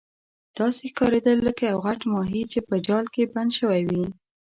داسې ښکاریدل لکه یو غټ ماهي چې په جال کې بند شوی وي.